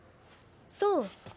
そう。